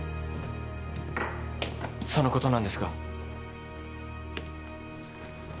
そのことなんですが。